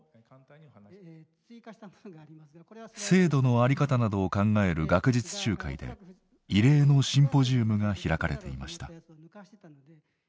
制度の在り方などを考える学術集会で異例のシンポジウムが開かれていました。